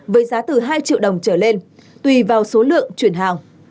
với giá từ hai triệu đồng trở lên tùy vào số lượng chuyển hàng